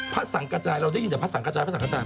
พระสังกระจายเราได้ยินแต่พระสังกระจาย